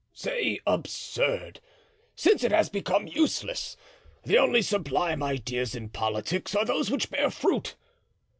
"Say absurd, since it has become useless. The only sublime ideas in politics are those which bear fruit.